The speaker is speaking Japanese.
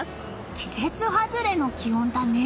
季節外れの気温だね。